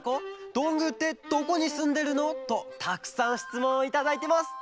「どんぐーってどこにすんでるの？」とたくさんしつもんをいただいてます！